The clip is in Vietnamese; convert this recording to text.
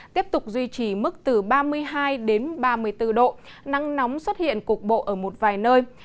tiếp tục duy trì mức từ ba mươi hai ba mươi bốn độ nắng nóng xuất hiện cục bộ ở một vài nơi